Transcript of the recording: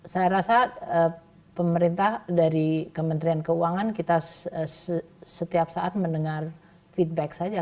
saya rasa pemerintah dari kementerian keuangan kita setiap saat mendengar feedback saja